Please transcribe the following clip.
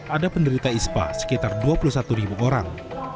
ada penderita ispa sekitar dua puluh satu ribu orang